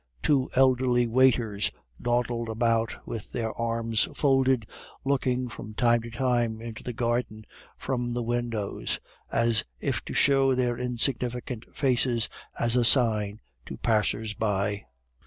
Two elderly waiters dawdled about with their arms folded, looking from time to time into the garden from the windows, as if to show their insignificant faces as a sign to passers by.